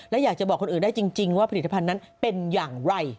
และอยากจะบอกคนอื่นได้จริงว่าผลิตภัณฑ์นั้นเป็นอย่างไร